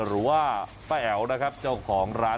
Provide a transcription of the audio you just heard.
หรือว่าป้าแอ๋วนะครับเจ้าของร้าน